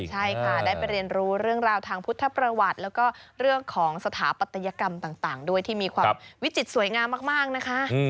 ใช่ค่ะได้ไปเรียนรู้เรื่องราวทางพุทธประวัติแล้วก็เรื่องของสถาปัตยกรรมต่างด้วยที่มีความวิจิตรสวยงามมากนะคะ